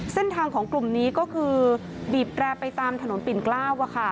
เส้นทางของกลุ่มนี้ก็คือบีบแรร์ไปตามถนนปิ่นเกล้าว